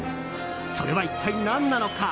それは一体何なのか？